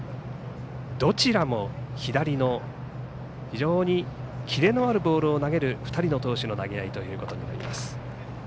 どちらも左の非常にキレのあるボールを投げる２人の投手の投げ合いということになります。